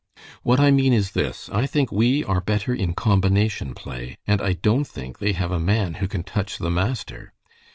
"What I mean is this, I think we are better in combination play, and I don't think they have a man who can touch the master."